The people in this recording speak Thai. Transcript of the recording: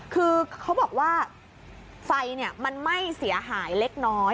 คือเขาบอกว่าไฟมันไหม้เสียหายเล็กน้อย